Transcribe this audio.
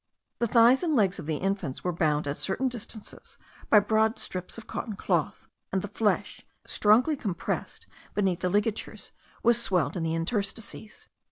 The thighs and legs of the infants were bound at certain distances by broad strips of cotton cloth, and the flesh, strongly compressed beneath the ligatures, was swelled in the interstices.